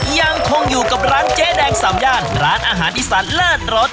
ยังคงอยู่กับร้านเจ๊แดงสามย่านร้านอาหารอีสานเลิศรส